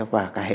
và cả hệ thống